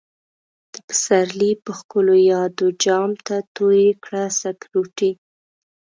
دپسرلی په ښکلو يادو، جام ته تويې کړه سکروټی